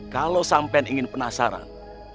kalau sampai ingin penasaran